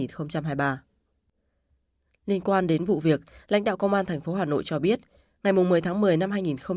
liên quan đến vụ việc lãnh đạo công an tp hà nội cho biết ngày một mươi tháng một mươi năm hai nghìn hai mươi ba